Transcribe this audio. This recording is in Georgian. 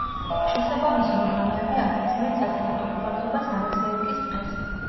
შესაბამისი ორგანოები არ აქცევენ სათანადო ყურადღებას ალექსეევკის ტყეს.